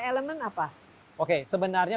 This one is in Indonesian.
elemen apa oke sebenarnya